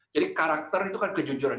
jadi karakter itu kan kejujuran